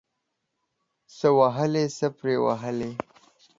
څه وهلي ، څه پري وهلي.